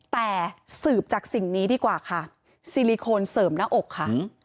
แต่สืบจากสิ่งนี้ดีกว่าค่ะซิลิโคนเสริมหน้าอกค่ะ